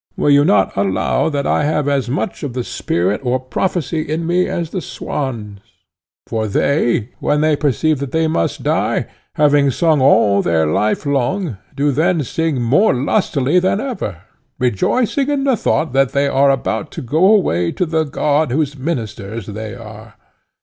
Will you not allow that I have as much of the spirit of prophecy in me as the swans? For they, when they perceive that they must die, having sung all their life long, do then sing more lustily than ever, rejoicing in the thought that they are about to go away to the god whose ministers they are.